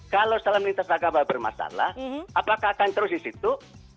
kalau salam lintas agama bermasalah apakah akan terus di situ